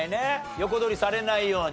横取りされないように。